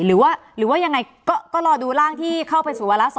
หรือว่าหรือว่ายังไงก็รอดูร่างที่เข้าไปสู่วาระ๒